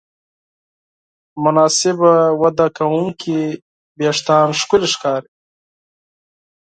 مناسب وده کوونکي وېښتيان ښکلي ښکاري.